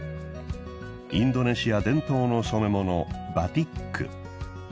インドネシア伝統の染め物バティック。